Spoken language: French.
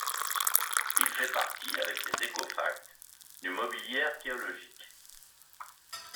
Il fait partie avec les écofacts du mobilier archéologique.